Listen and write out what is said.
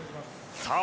さあ